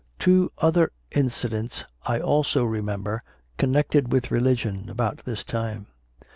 Two other incidents I also remember connected with religion about this time.